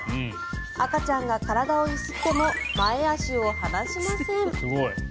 赤ちゃんが体を揺すっても前足を離しません。